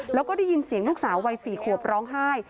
แล้วก็ได้ยินเสียงลูกสาววัย๔ขวบร้องไห้